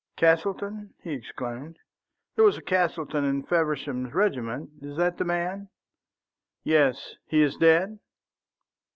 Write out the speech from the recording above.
"Castleton?" he exclaimed. "There was a Castleton in Feversham's regiment. Is that the man?" "Yes. He is dead?"